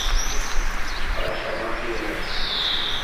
But I shall not need a nurse.